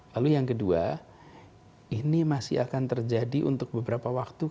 lalu yang kedua ini masih akan terjadi untuk beberapa waktu